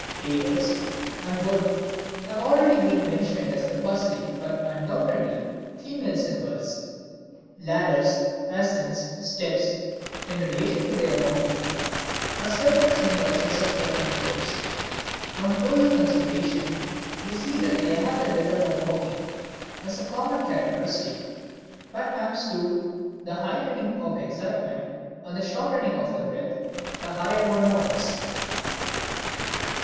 Tables and wood have already been mentioned as puzzling but undoubtedly female symbols. Ladders, ascents, steps in relation to their mounting, are certainly symbols of sexual intercourse. On closer consideration we see that they have the rhythm of walking as a common characteristic; perhaps, too, the heightening of excitement and the shortening of the breath, the higher one mounts.